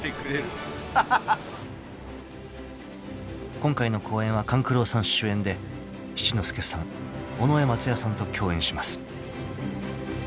［今回の公演は勘九郎さん主演で七之助さん尾上松也さんと共演します］